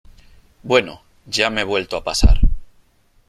bueno , ya me he vuelto a pasar .